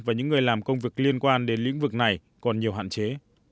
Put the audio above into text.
và những người làm công việc liên quan đến lĩnh vực này còn nhiều hạn chế